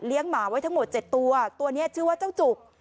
หมาไว้ทั้งหมด๗ตัวตัวนี้ชื่อว่าเจ้าจุก